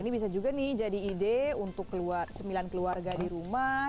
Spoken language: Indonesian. ini bisa juga nih jadi ide untuk cemilan keluarga di rumah